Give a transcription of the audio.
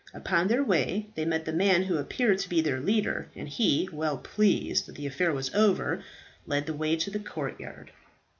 Upon their way they met the man who appeared to be their leader, and he, well pleased that the affair was over, led the way to the courtyard.